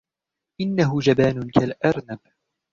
إنه جبان كالأرنب.